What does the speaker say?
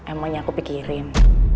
emangnya aku pikirin